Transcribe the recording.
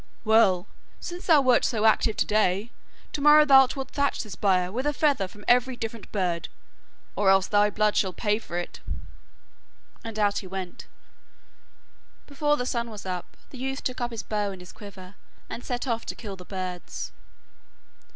'Well, since thou wert so active to day, to morrow thou wilt thatch this byre with a feather from every different bird, or else thy blood shall pay for it,' and he went out. Before the sun was up, the youth took his bow and his quiver and set off to kill the birds.